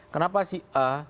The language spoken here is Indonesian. kenapa si a